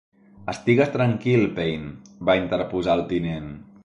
"Estigues tranquil, Payne", va interposar el tinent.